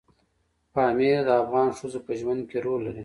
پامیر د افغان ښځو په ژوند کې رول لري.